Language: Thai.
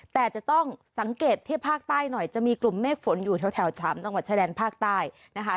แต่จะต้องสังเกตที่ภาคใต้หน่อยจะมีกลุ่มเมฆฝนอยู่แถว๓จังหวัดชายแดนภาคใต้นะคะ